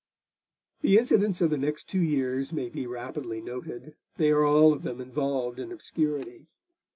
The incidents of the next two years may be rapidly noted; they are all of them involved in obscurity.